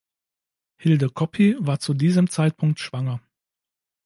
Hilde Coppi war zu diesem Zeitpunkt schwanger.